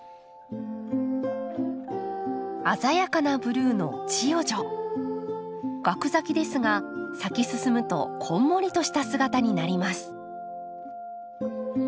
鮮やかなブルーのガク咲きですが咲き進むとこんもりとした姿になります。